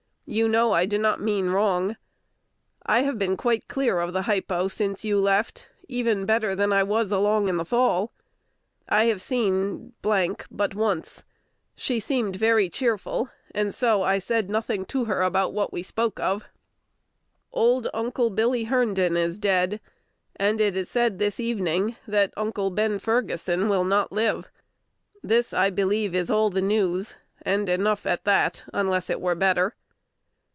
You know I do not mean wrong. I have been quite clear of hypo since you left, even better than I was along in the fall. I have seen but once. She seemed very cheerful, and so I said nothing to her about what we spoke of. Old Uncle Billy Herndon is dead, and it is said this evening that Uncle Ben Ferguson will not live. This, I believe, is all the news, and enough at that, unless it were better.